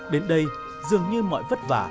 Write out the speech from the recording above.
đến đây dường như mọi vất vả